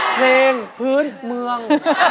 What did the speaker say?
เพลงพื้นเมือง